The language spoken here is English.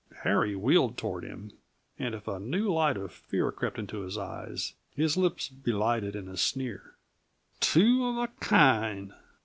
Harry wheeled toward him, and if a new light of fear crept into his eyes, his lips belied it in a sneer. "Two of a kind!"